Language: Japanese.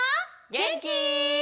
げんき？